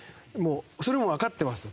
それもわかってますと。